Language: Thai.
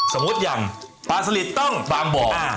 สมมุติอย่างปลาสลิดต้องบางบ่อ